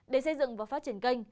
để xây dựng và phát triển kênh